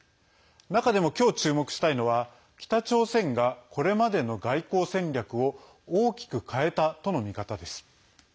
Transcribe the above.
中でも今日、注目したいのは北朝鮮がこれまでの外交戦略を大きく変えたとの見方です。